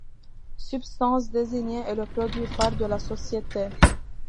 Substance Designer est le produit phare de la société.